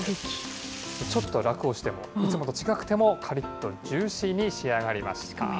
ちょっとラクをしても、いつもと違くてもかりっとジューシーに仕上がりました。